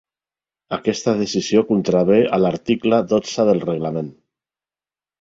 Aquesta decisió contravé a l'article dotze del reglament.